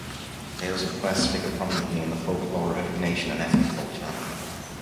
Tales of quests figure prominently in the folklore of every nation and ethnic culture.